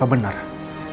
kami memang kakak adik